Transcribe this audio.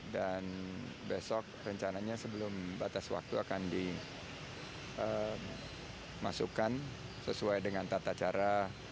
dan besok rencananya sebelum batas waktu akan dimasukkan sesuai dengan tata cara